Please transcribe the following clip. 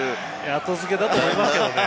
後付けだと思いますけどね。